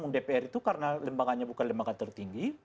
dpr itu karena lembaganya bukan lembaga tertinggi